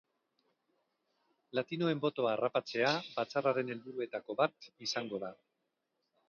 Latinoen botoa harrapatzea batzarraren helburuetako bat izango da.